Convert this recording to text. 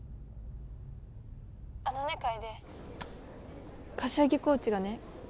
あのね楓柏木コーチがね